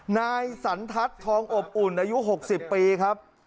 นายสันทัศน์ทองอบอุ่นอายุ๖๐ปีครับ